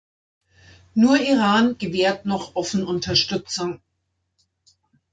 Nur Iran gewährt noch offen Unterstützung.